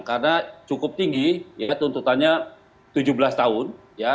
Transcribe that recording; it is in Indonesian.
karena cukup tinggi ya tuntutannya tujuh belas tahun